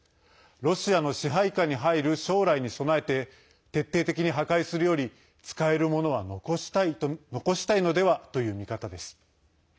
ロシアの支配下に入る将来に備えて徹底的に破壊するより使えるものは残したいのではという見方です。